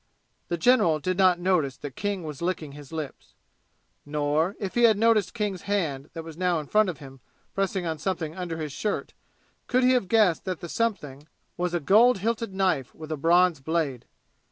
The general did not notice that King was licking his lips. Nor, if he had noticed King's hand that now was in front of him pressing on something under his shirt, could he have guessed that the something was a gold hilted knife with a bronze blade.